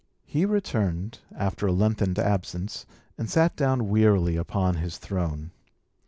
He returned, after a lengthened absence, and sat down wearily upon his throne.